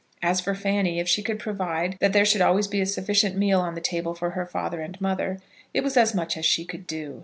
As for Fanny, if she could provide that there should always be a sufficient meal on the table for her father and mother, it was as much as she could do.